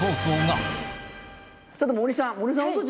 さて森さん。